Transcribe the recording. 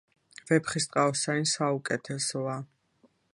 ვეფხისტყაოსანი საუკეთესოა..!